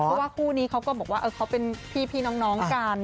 เพราะว่าคู่นี้เขาก็บอกว่าเขาเป็นพี่น้องกัน